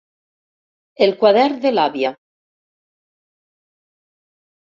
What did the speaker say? El quadern de l'àvia.